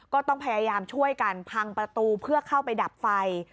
ก็ต้องพยายามช่วยกันพังประตูเพื่อเข้าไปดับไฟ